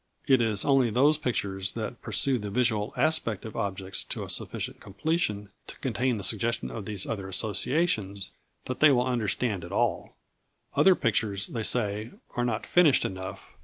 It is only those pictures that pursue the visual aspect of objects to a sufficient completion to contain the suggestion of these other associations, that they understand at all. Other pictures, they say, are not finished enough.